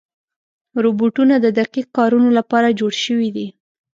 روبوټونه د دقیق کارونو لپاره جوړ شوي دي.